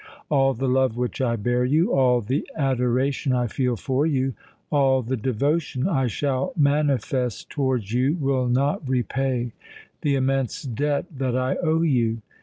All the love which I bear you—all the adoration I feel for you—all the devotion I shall manifest towards you, will not repay the immense debt that I owe you!